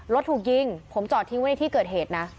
ถูกยิงผมจอดทิ้งไว้ในที่เกิดเหตุนะ